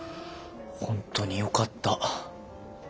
本当によかった。